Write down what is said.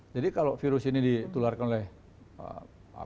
jadi kalau virus ini ditularkan oleh manusia